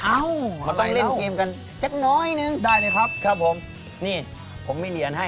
เอามาต้องเล่นเกมกันสักน้อยนึงได้ไหมครับครับผมนี่ผมมีเหรียญให้